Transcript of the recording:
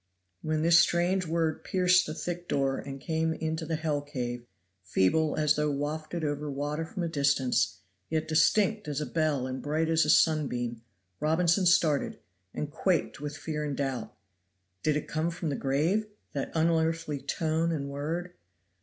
When this strange word pierced the thick door and came into the hell cave, feeble as though wafted over water from a distance, yet distinct as a bell and bright as a sunbeam, Robinson started, and quaked with fear and doubt. Did it come from the grave, that unearthly tone and word?